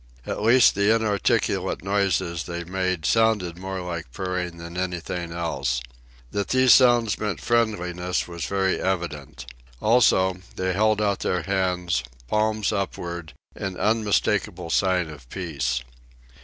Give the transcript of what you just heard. At least, the inarticulate noises they made sounded more like purring than anything else. That these sounds meant friendliness was very evident. Also, they held out their hands, palms upward, in unmistakable sign of peace.